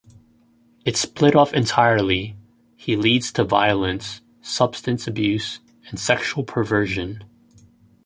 If split off entirely, he leads to violence, substance abuse and sexual perversion.